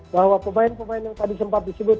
bahwa pemain pemain yang tadi sempat disebut